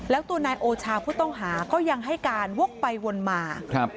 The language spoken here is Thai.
แล้วตัวนายโอชาผู้ต้องหาก็ยังให้การวกไปวนมาครับ